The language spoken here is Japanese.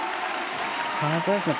さすがですね